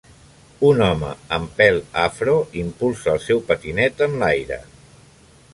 Un home amb pèl afro impulsa el seu patinet en l'aire.